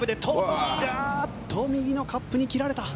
あっと、右のカップに切られた。